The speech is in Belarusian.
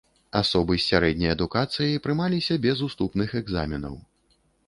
Асобы з сярэдняй адукацыяй прымаліся без уступных экзаменаў.